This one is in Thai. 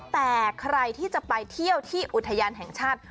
แต่ใครที่จะไปเที่ยวที่อุทยานแห่งชาติ